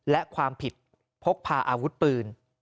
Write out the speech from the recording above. และความผิดพกพาอาวุธปืน